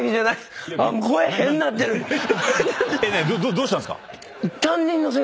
どうしたんですか？